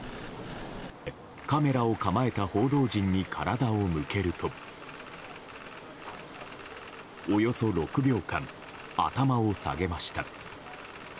カメラを構えた報道陣に体を向けるとおよそ６秒間、頭を下げました。